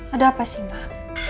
ada apa sih mbak